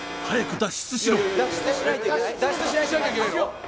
脱出しないといけない？